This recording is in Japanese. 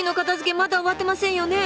まだ終わってませんよね。